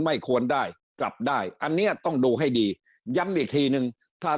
ไม่ควรได้กลับได้อันนี้ต้องดูให้ดีย้ำอีกทีนึงถ้า